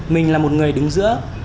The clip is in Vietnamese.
mình là một người đứng giữa